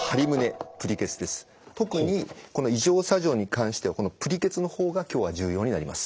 特にこの移乗作業に関してはこのぷりケツの方が今日は重要になります。